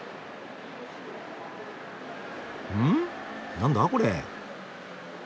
何だこれ？